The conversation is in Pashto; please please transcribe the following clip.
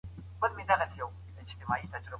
یې عزم ستایي